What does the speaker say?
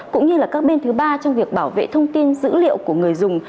cũng như là các bên thứ ba trong việc bảo vệ thông tin dữ liệu của người dùng